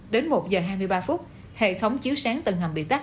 đến một giờ hai mươi ba phút hệ thống chiếu sáng tầng hầm bị tắt